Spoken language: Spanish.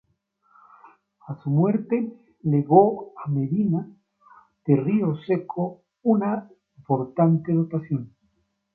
A su muerte, legó a Medina de Rioseco una importante dotación.